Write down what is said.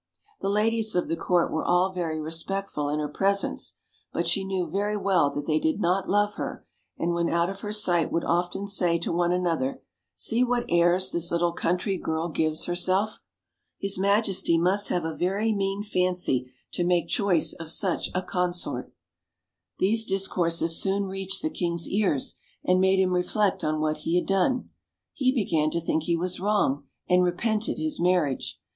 The ladies of the court were all very respectful in her presence; but she knew very well that they did not love her, and when out of her sight would often say to one another, "See what airs this little country girl gives her self. His majesty must have a very mean fancy to make OLD, OLD FAIRY TALES. 33 choice of such a consort." These discourses soon reached the king's ears, and made him reflect on what he had done; he began to think he was wrong, and repented his marriage.